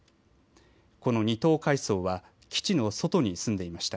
この２等海曹は基地の外に住んでいました。